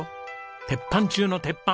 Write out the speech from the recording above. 鉄板中の鉄板！